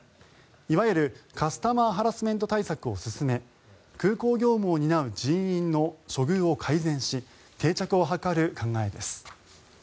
いわゆるカスタマーハラスメント対策を進め空港業務を担う人員の処遇を改善し定着を図る考えです。